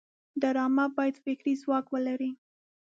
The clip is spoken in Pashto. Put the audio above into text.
ډرامه باید فکري ځواک ولري